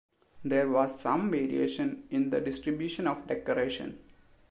There was some variation in the distribution of decoration.